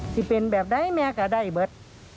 ที่เป็นแบบใดแม่ก็ได้เบิร์ต